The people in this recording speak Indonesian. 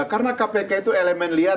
karena kpk itu elemen liar